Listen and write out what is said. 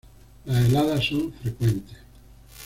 Las heladas son frecuentes.